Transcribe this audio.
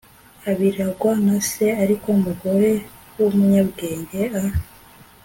abiragwa na se ariko umugore w umunyabwenge a